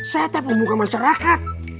saya tak pemuka masyarakat